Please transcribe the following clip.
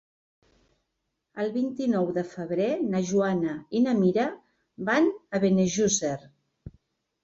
El vint-i-nou de febrer na Joana i na Mira van a Benejússer.